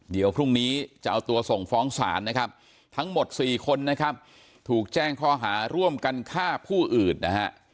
เดี๋ยวพรุ่งนี้จะเอาตัวส่งฟ้องศาลนะครับทั้งหมด๔คนนะครับถูกแจ้งข้อหาร่วมกันฆ่าผู้อื่นนะฮะ